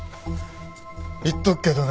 言っておくけどね